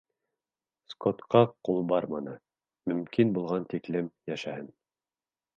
Скоттҡа ҡул барманы, мөмкин булған тиклем йәшәһен.